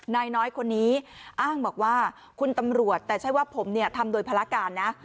นายน้อยคนนี้อ้างบอกว่าคุณตำรวจแต่ใช่ว่าผมเนี่ยทำโดยภารการนะ